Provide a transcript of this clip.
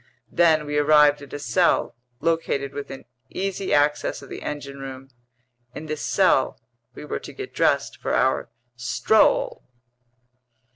Then we arrived at a cell located within easy access of the engine room; in this cell we were to get dressed for our stroll.